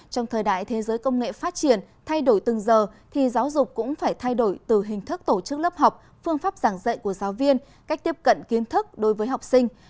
trong thời đại thế giới công nghệ phát triển thay đổi từng giờ thì giáo dục cũng phải thay đổi từ hình thức tổ chức lớp học phương pháp giảng dạy của giáo viên cách tiếp cận kiến thức đối với học sinh